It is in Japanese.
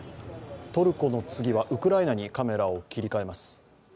トルコの次はウクライナにカメラを切り替えます。